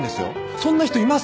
そんな人います？